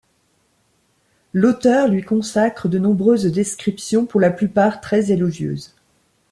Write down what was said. L'auteur lui consacre de nombreuses descriptions pour la plupart très élogieuses.